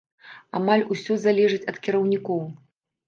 Амаль усё залежыць ад кіраўнікоў.